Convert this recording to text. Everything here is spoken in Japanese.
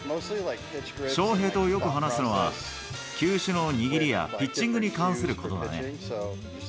翔平とよく話すのは、球種の握りやピッチングに関することだね。